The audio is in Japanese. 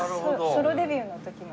ソロデビューの時の。